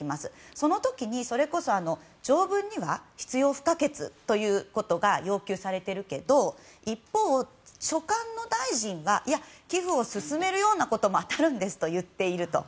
その時にそれこそ条文には必要不可欠ということが要求されているけど一方、所管の大臣がいや、寄付を勧めるようなことも当たるんですと言っていると。